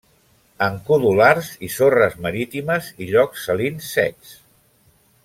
En codolars i sorres marítimes i llocs salins secs.